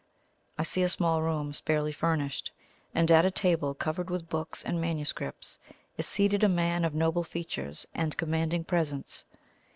I see a small room sparely furnished, and at a table covered with books and manuscripts is seated a man of noble features and commanding presence.